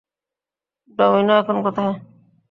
Domino এখন কোথায়?